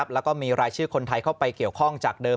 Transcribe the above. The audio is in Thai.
แล้วก็มีรายชื่อคนไทยเข้าไปเกี่ยวข้องจากเดิม